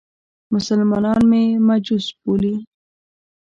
مسلمانان مې مجوس بولي.